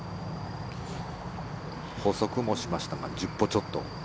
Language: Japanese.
歩測もしましたが１０歩ちょっと。